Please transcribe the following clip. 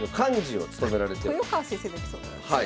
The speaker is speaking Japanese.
あっ豊川先生のエピソードなんですね。